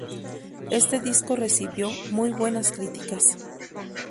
Este disco recibió muy buenas críticas.